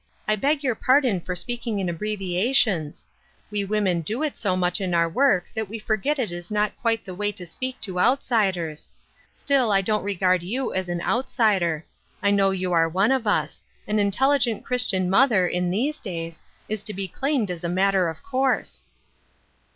I beg your pardon for speaking in ab breviations ; we women do it so much in our work that we forget it is not quite the way to speak to outsiders. Still, I don't regard you as an outsider; I know you are one of us ; an intelligent Christian mother, in these days, is to be claimed as a matter of course."